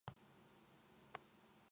スズメやカラスは日本では留鳥だ。